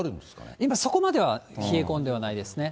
今、そこまでは冷え込んではないですね。